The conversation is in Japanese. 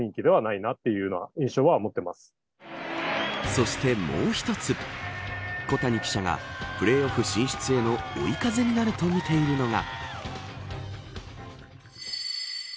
そしてもう一つ小谷記者がプレーオフ進出への追い風になると見ているのが。